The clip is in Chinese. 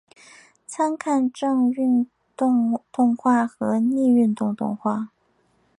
参看正运动动画和逆运动动画。